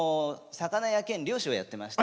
魚屋兼漁師をやっていて。